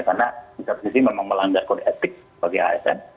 karena di satu sisi memang melanggar kode etik bagi asn